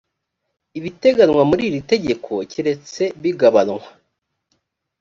ibiteganywa muri iri tegeko keretse bigabanywa